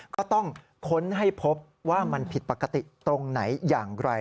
ก็ต้องค้นให้พบว่ามันผิดปกติตรงไหนอย่างไร